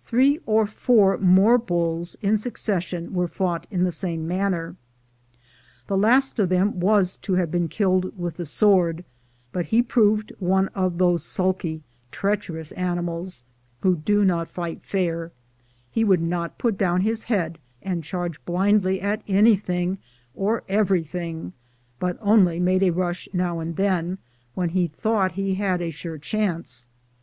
Three or four more bulls in succession were fought in the same manner. The last of them was to have been killed with the sword ; but he proved one of those sulky, treacherous animals who do not fight fair ; he would not put down his head and charge blindly at anything or everything, but only made a rush now and then, when he thought he had a sure chance.